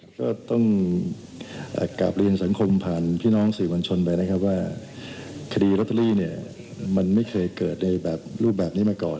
ต่อถึงปี๖๑เนี่ย๕คดีนะครับ